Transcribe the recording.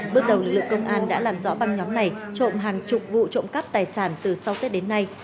bước đầu lực lượng công an đã làm rõ băng nhóm này trộm hàng chục vụ trộm cắp tài sản từ sau tết đến nay